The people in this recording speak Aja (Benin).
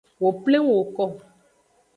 Wo pleng woko.